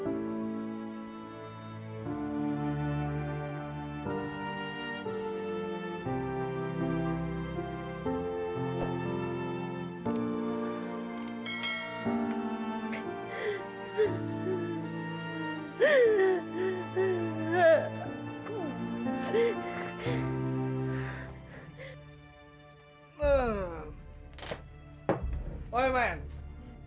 kaka akan buktikan semuanya li